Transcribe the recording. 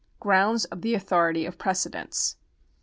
Grounds of the Authority of Precedents.